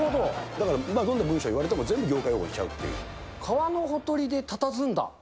だからどんな文章を言われても全部、業界用語にしちゃうって川のほとりでたたずんだ。